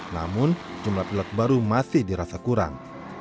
namun jumlah pilot baru masih dirasa kurang